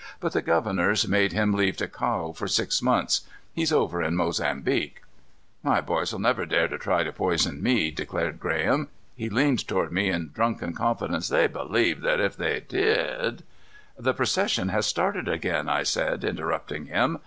"But the governor's made him leave Ticao for six months. He's over in Mozambique." "My boys'll never dare try to poison me," declared Graham. He leaned toward me in drunken confidence. "They believe that if they did " "The procession has started again," I said, interrupting him.